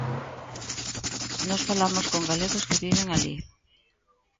Nós falamos con galegos que viven alí.